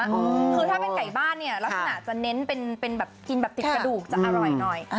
คือถ้าเป็นไก่บ้านเนี่ยลักษณะจะเน้นเป็นแบบกินแบบติดกระดูกจะอร่อยหน่อย